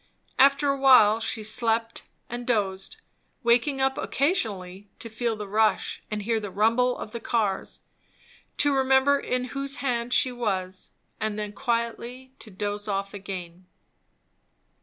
After a while she slept and dozed, waking up occasionally to feel the rush and hear the rumble of the cars, to remember in whose hand she was, and then quietly to doze off again.